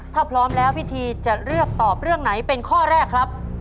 ถ้าพร้อมแล้วพี่ทีจะเลือกตอบเรื่องไหนเป็นข้อแรกครับ